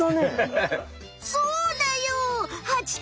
そうだよ！